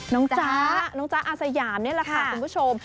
จ๊ะน้องจ๊ะอาสยามนี่แหละค่ะคุณผู้ชม